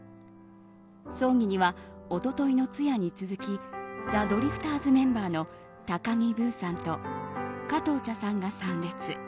葬儀には、一昨日の通夜に続きザ・ドリフターズメンバーの高木ブーさんと加藤茶さんが参列。